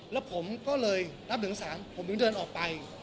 แล้วผมก็เลยรับหนึ่งสามผมยังเดินออกไป